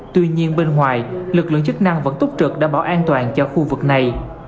tuy nhiên bên ngoài lực lượng chức năng vẫn tốt trượt đảm bảo an toàn cho khu vực này